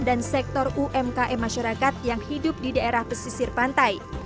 dan sektor umkm masyarakat yang hidup di daerah pesisir pantai